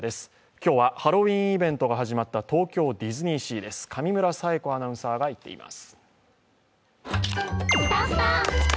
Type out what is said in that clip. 今日はハロウィーンイベントが始まった東京ディズニーシーです、上村彩子アナウンサーが行っています。